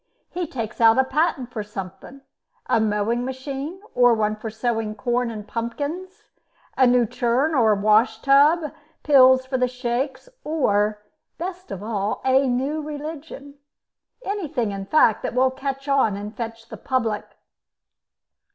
He takes out a patent for something a mowing machine, or one for sowing corn and pumpkins, a new churn or wash tub, pills for the shakes, or, best of all, a new religion anything, in fact, that will catch on and fetch the public."